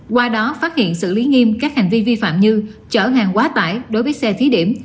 qua đó phát hiện xử lý nghiêm các hành vi vi phạm như chở hàng quá tải đối với xe thí điểm